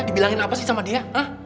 dibilangin apa sih sama dia ah